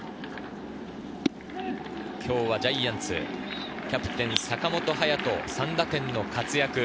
今日はジャイアンツ、キャプテン・坂本勇人、３打点の活躍。